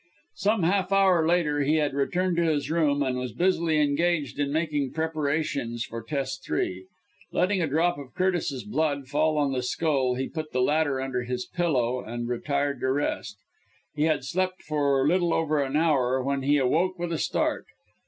Some half hour later he had returned to his room, and was busily engaged making preparations for test three. Letting a drop of Curtis's blood fall on the skull, he put the latter under his pillow, and retired to rest. He had slept for little over an hour, when he awoke with a start.